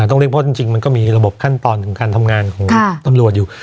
ต้องเรียกเพราะจริงมันก็มีระบบขั้นตอนของการทำงานของตำรวจอยู่